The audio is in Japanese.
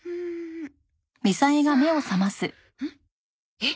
えっ？